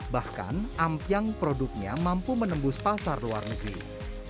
bahkan ampiang produknya mampu menembus pasar luar negeri